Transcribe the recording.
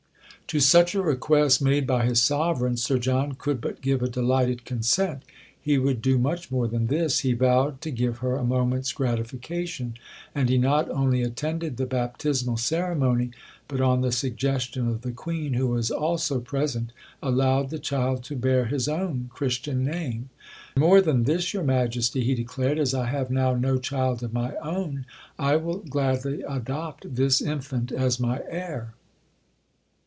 To such a request made by his Sovereign Sir John could but give a delighted consent. He would do much more than this, he vowed, to give her a moment's gratification; and he not only attended the baptismal ceremony, but on the suggestion of the Queen, who was also present, allowed the child to bear his own Christian name. "More than this, your Majesty," he declared, "as I have now no child of my own, I will gladly adopt this infant as my heir."